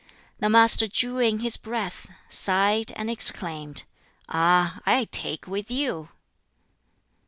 The Master drew in his breath, sighed, and exclaimed, "Ah, I take with you!"